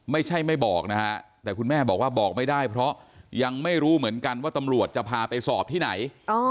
ไม่ใช่ไม่บอกนะฮะแต่คุณแม่บอกว่าบอกไม่ได้เพราะยังไม่รู้เหมือนกันว่าตำรวจจะพาไปสอบที่ไหน